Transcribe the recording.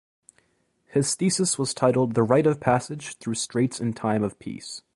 His thesis was titled "The right of passage through straits in time of peace".